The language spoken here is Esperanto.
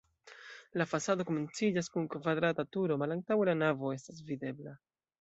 La fasado komenciĝas kun kvadrata turo, malantaŭe la navo estas videbla.